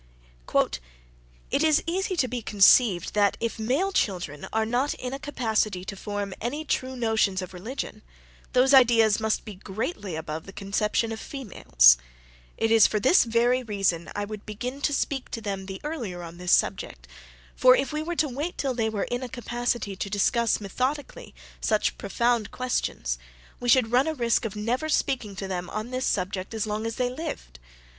"It is easy to be conceived, that if male children be not in a capacity to form any true notions of religion, those ideas must be greatly above the conception of the females: it is for this very reason, I would begin to speak to them the earlier on this subject; for if we were to wait till they were in a capacity to discuss methodically such profound questions, we should run a risk of never speaking to them on this subject as long as they lived.